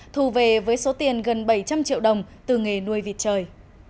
thu về với số tiền gần bảy trăm linh triệu đồng từ nghề nuôi vịt trời